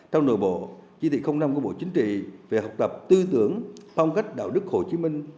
trong nội bộ chỉ thị năm của bộ chính trị về học tập tư tưởng phong cách đạo đức hồ chí minh